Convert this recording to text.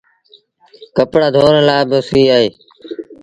ڪپڙآ ڌوڻ لآ با سهيٚ اهي۔